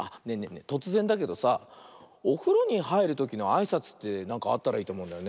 えとつぜんだけどさおふろにはいるときのあいさつってなんかあったらいいとおもうんだよね。